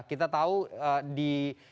kita tahu di